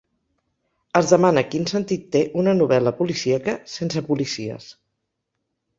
Es demana quin sentit té una novel·la policíaca sense policies.